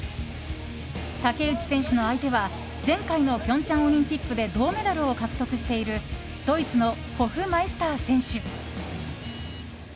竹内選手の相手は前回の平昌オリンピックで銅メダルを獲得しているドイツのホフマイスター選手。